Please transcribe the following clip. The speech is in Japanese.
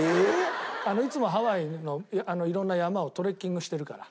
いつもハワイのいろんな山をトレッキングしてるから。